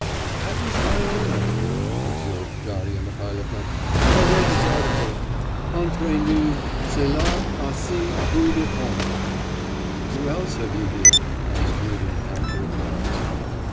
'That was my own idea,' observed Darya Mihailovna. 'I read his article.... Entre nous... cela a assez peu de fond!' 'Who else have you here?' asked Rudin, after a pause.